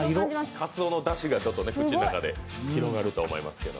かつおのだしが口の中で広がると思いますけど。